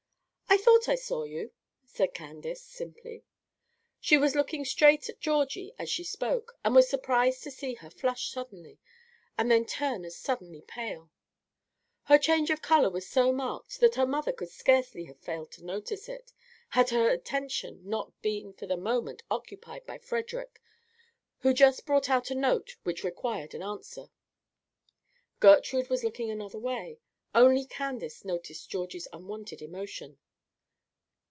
"I thought I saw you," said Candace, simply. She was looking straight at Georgie as she spoke, and was surprised to see her flush suddenly, and then turn as suddenly pale. Her change of color was so marked that her mother could scarcely have failed to notice it, had her attention not been for the moment occupied by Frederic, who just brought out a note which required an answer. Gertrude was looking another way; only Candace noticed Georgie's unwonted emotion.